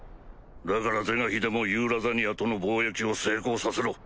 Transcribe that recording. だから是が非でもユーラザニアとの貿易を成功させろ。